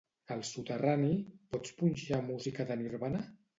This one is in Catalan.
Al soterrani pots punxar música de Nirvana?